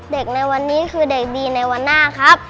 ในวันนี้คือเด็กดีในวันหน้าครับ